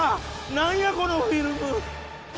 何やこのフィルム！